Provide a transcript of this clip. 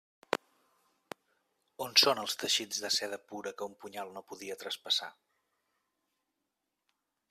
On són els teixits de seda pura que un punyal no podia traspassar?